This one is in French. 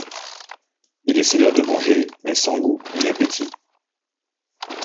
Il essaya de manger, mais sans goût ni appétit.